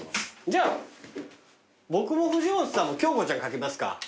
じゃあ僕も藤本さんも京子ちゃん描きますか。